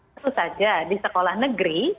tentu saja di sekolah negeri